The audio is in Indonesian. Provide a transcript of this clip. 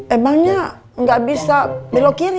emangnya nggak bisa belok kiri